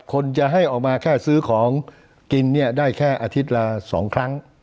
คนจะให้ออกมาที่ตัวหนะซื้อของได้แค่อาทิตย์ละสองครั้ง